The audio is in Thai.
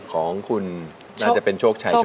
ของคุณน่าจะเป็นโชคชัยโชคกะนั้น